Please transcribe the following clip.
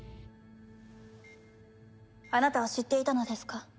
あなたは知っていたのですか？